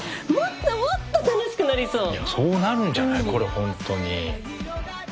そうなるんじゃないこれ本当に。